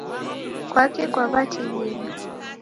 Kwaki kwaw'atighina?